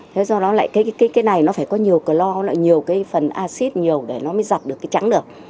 thế do đó lại cái này nó phải có nhiều cơ lo nhiều phần acid nhiều để nó mới giọt được cái trắng được